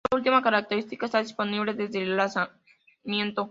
Esta última característica está disponible desde el lanzamiento.